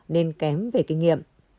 nên kém về kinh nghiệm